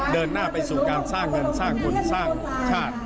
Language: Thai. เดินหน้าไปสู่การสร้างเงินสร้างบุญสร้างชาติ